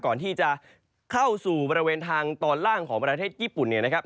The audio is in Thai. ก่อนที่จะเข้าสู่บริเวณทางตอนล่างของประเทศญี่ปุ่นเนี่ยนะครับ